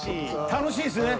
楽しいですよね。